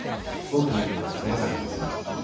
僕の理由は「その他」なんですね。